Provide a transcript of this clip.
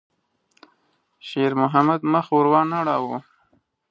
شېرمحمد مخ ور وانه ړاوه.